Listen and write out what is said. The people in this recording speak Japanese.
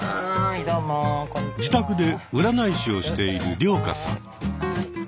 自宅で占い師をしている涼香さん。